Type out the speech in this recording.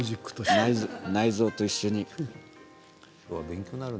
内臓と一緒に。